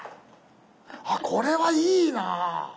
あっこれはいいな！